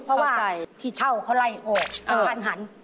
เพราะว่าที่เช่าเขาไล่ออกต้องพันธุ์หัน